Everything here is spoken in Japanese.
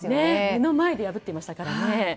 目の前で破っていましたからね。